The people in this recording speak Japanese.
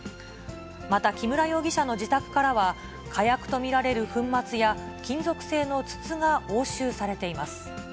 また、木村容疑者の自宅からは、火薬と見られる粉末や金属製の筒が押収されています。